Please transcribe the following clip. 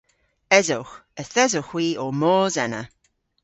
Esowgh. Yth esowgh hwi ow mos ena.